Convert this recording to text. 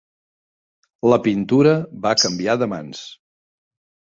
La pintura va canviar de mans.